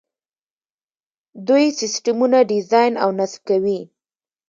دوی سیسټمونه ډیزاین او نصب کوي.